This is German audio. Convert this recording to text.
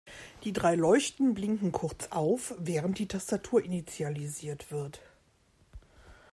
Die drei Leuchten blinken kurz auf, während die Tastatur initialisiert wird.